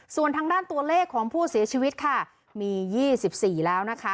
ส่วนทางด้านตัวเลขของผู้เสียชีวิตค่ะมี๒๔แล้วนะคะ